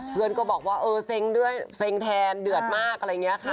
เพื่อนก็บอกว่าเออเซ็งด้วยเซ็งแทนเดือดมากอะไรอย่างนี้ค่ะ